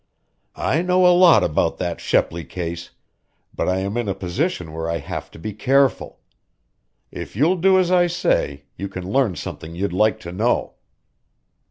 "I know a lot about that Shepley case, but I am in a position where I have to be careful. If you'll do as I say, you can learn something you'd like to know."